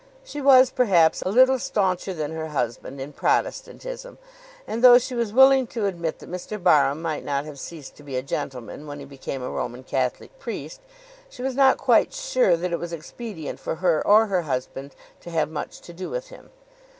She was, perhaps, a little stauncher than her husband in Protestantism; and though she was willing to admit that Mr. Barham might not have ceased to be a gentleman when he became a Roman Catholic priest, she was not quite sure that it was expedient for her or her husband to have much to do with him.